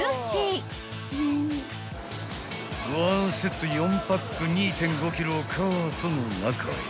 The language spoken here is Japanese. ［１セット４パック２．５ｋｇをカートの中へ］